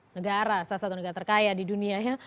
negara salah satu negara terkaya di dunia ya